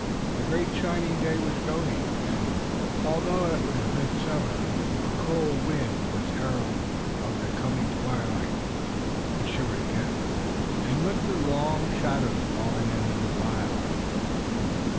The great shining day was going, and, although it was midsummer, a cold wind was herald of the coming twilight. He shivered again, and looked at the long shadows falling in the defile.